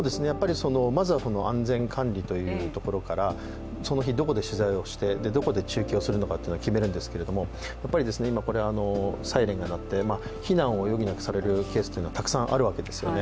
まずは安全管理というところからその日、どこで取材をしてどこで中継をするのかというのを決めるんですけれども今、サイレンが鳴って、避難を余儀なくされるケースってたくさんあるわけですよね